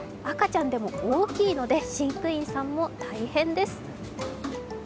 赤ちゃんでも大きいので飼育員さんも大変です。